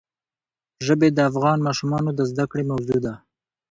ژبې د افغان ماشومانو د زده کړې موضوع ده.